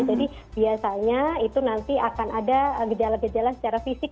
jadi biasanya itu nanti akan ada gejala gejala secara fisik